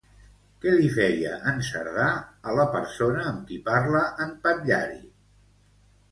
Què li feia en Cerdà a la persona amb qui parla en Patllari?